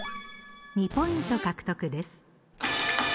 ２ポイント獲得です。